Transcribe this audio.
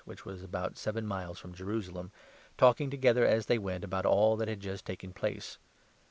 which was about seven miles from Jerusalem, talking together, as they went, about all that had just taken 14 place.